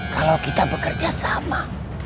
kalau kita bekerja sama